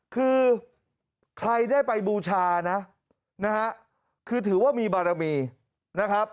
คือใครได้ไปบูชานะนะฮะคือถือว่ามีบารมีนะครับ